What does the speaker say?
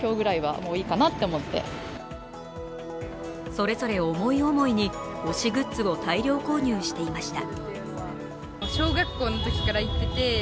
それぞれ思い思いに推しグッズを大量購入していました。